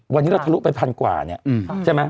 วันนี้เราทะลุไปพันกว่าเนี่ยใช่ไหม